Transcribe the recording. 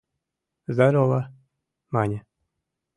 — Здорово! — мане.